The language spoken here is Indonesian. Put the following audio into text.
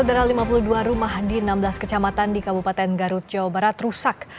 sementara lima puluh dua rumah di enam belas kecamatan di kabupaten garut jawa barat rusak